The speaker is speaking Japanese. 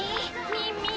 みみ！